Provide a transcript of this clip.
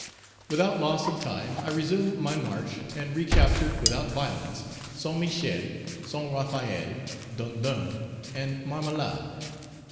Without loss of time I resumed my march and recaptured, without violence, St. Michel, St. Raphaël, Dondon, and Marmelade.